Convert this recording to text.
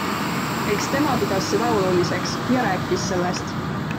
Eks tema pidas seda oluliseks ja rääkis sellest.